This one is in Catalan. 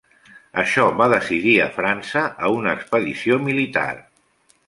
Això va decidir a França a una expedició militar.